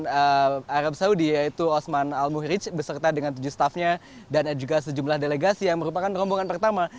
pemerintah kerajaan arab saudi yaitu osman al muhrij beserta dengan tujuh staffnya dan juga sejumlah delegasi yang merupakan rombongan pertama